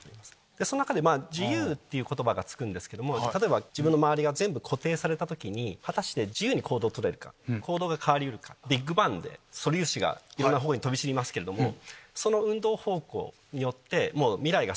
その中で「自由」っていう言葉が付くんですけど例えば自分の周りが全部固定された時に果たして自由に行動をとれるか行動が変わり得るか。がいろんなほうに飛び散りますけれどもその運動方向によってもう。